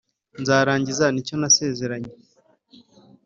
nzarangiza n’icyo nasezeranye.